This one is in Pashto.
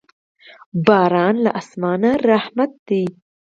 باران له اسمانه رحمت دی.